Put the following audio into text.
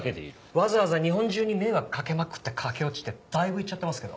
わざわざ日本中に迷惑掛けまくって駆け落ちってだいぶイッちゃってますけど。